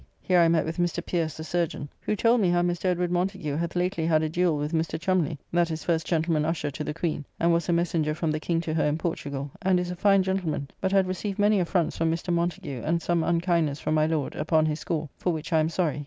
Here I met with Mr. Pierce, the chyrurgeon, who told me how Mr. Edward Montagu hath lately had a duell with Mr. Cholmely, that is first gentleman usher to the Queen, and was a messenger from the King to her in Portugall, and is a fine gentleman; but had received many affronts from Mr. Montagu, and some unkindness from my Lord, upon his score (for which I am sorry).